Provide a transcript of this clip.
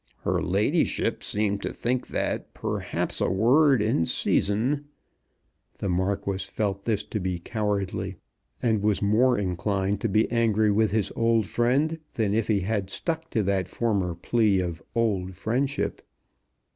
"Her ladyship seemed to think that perhaps a word in season " The Marquis felt this to be cowardly, and was more inclined to be angry with his old friend than if he had stuck to that former plea of old friendship.